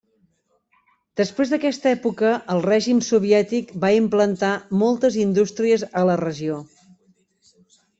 Després d'aquesta època el règim soviètic va implantar moltes indústries a la regió.